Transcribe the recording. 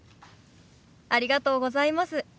ありがとうございます。